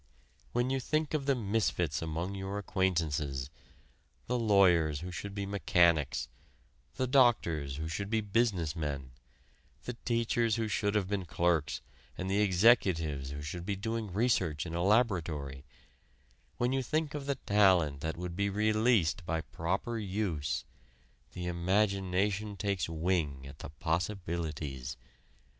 When you think of the misfits among your acquaintances the lawyers who should be mechanics, the doctors who should be business men, the teachers who should have been clerks, and the executives who should be doing research in a laboratory when you think of the talent that would be released by proper use, the imagination takes wing at the possibilities.